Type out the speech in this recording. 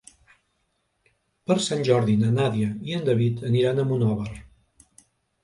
Per Sant Jordi na Nàdia i en David aniran a Monòver.